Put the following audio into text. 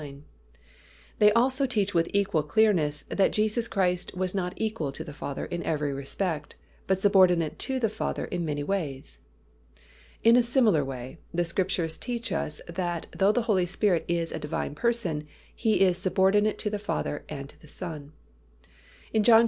9), they also teach with equal clearness that Jesus Christ was not equal to the Father in every respect, but subordinate to the Father in many ways. In a similar way, the Scriptures teach us that though the Holy Spirit is a Divine Person, He is subordinate to the Father and to the Son. In John xiv.